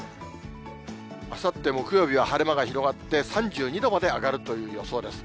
あさって木曜日は晴れ間が広がって、３２度まで上がるという予想です。